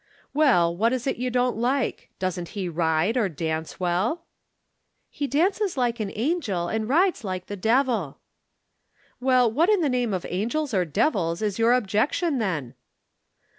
"Well, what is it you don't like? Doesn't he ride or dance well?" "He dances like an angel and rides like the devil." "Well, what in the name of angels or devils is your objection then?"